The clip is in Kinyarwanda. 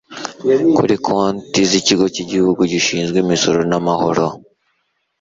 kuri konti z' ikigo cy'igihugu gishinzwe imisoro n'amahoro